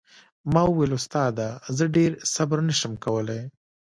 ما وويل استاده زه ډېر صبر نه سم کولاى.